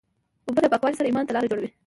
اوبه د پاکوالي سره ایمان ته لاره جوړوي.